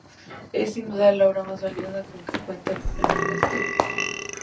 Es, sin duda, la obra más valiosa con que cuenta el monasterio.